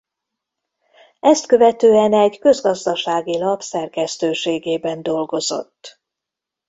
Ezt követően egy közgazdasági lap szerkesztőségében dolgozott.